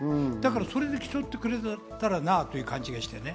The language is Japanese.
それを競ってくれたらなっていう感じがして。